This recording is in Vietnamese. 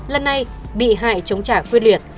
lần này bị hại chống trả khuyết liệt